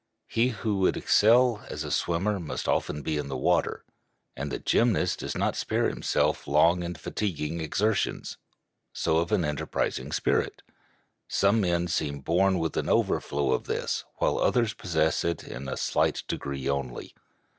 He who would excel as a swimmer must be often in the water, and the gymnast does not spare himself long and fatiguing exertions. So of an enterprising spirit. Some men seem born with an overflow of this, while others possess it in a slight degree only.